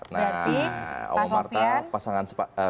nah umar marta pasangan sepatu